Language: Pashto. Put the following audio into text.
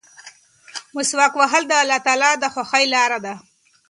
مسواک وهل د الله تعالی د خوښۍ لاره ده.